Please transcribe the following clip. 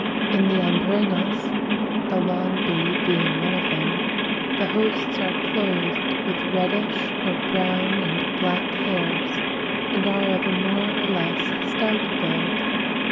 In the Andrenas (the lawn bee being one of them) the hosts are clothed with reddish, or brown and black, hairs, and are of a more or less stout build (pl.